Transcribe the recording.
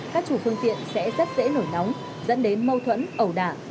các chủ phương tiện sẽ rất dễ nổi nóng dẫn đến mâu thuẫn ẩu đả